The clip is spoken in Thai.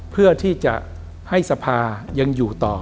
เพื่อที่จะให้สภายังอยู่ต่อ